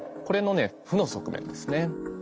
これのね負の側面ですね。